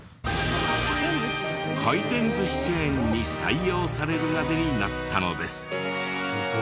回転寿司チェーンに採用されるまでになったのです。